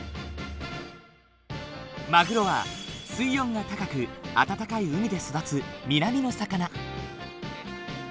マグロは水温が高く温かい海で育つ南の魚。